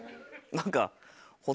何か。